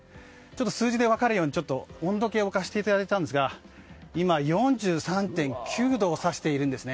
数字で分かるように温度計を置かせていただいたんですが４３．９度を指しています。